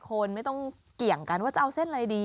คนไม่ต้องเกี่ยงกันว่าจะเอาเส้นอะไรดี